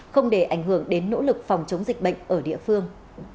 không để ảnh hưởng đến nỗ lực phòng chống dịch bệnh ở địa phương